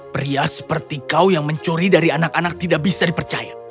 pria seperti kau yang mencuri dari anak anak tidak bisa dipercaya